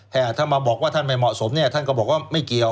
ถ้ามาบอกว่าท่านไม่เหมาะสมเนี่ยท่านก็บอกว่าไม่เกี่ยว